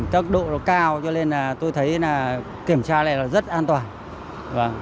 các độ cao cho nên tôi thấy kiểm tra này rất an toàn